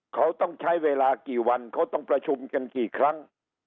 เขาต้องใช้เวลากี่วันเขาต้องประชุมกันกี่ครั้ง